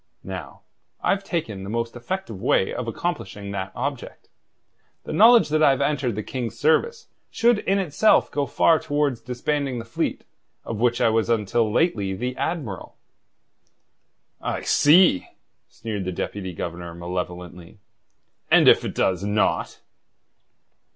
Now, I've taken the most effective way of accomplishing that object. The knowledge that I've entered the King's service should in itself go far towards disbanding the fleet of which I was until lately the admiral." "I see!" sneered the Deputy Governor malevolently. "And if it does not?"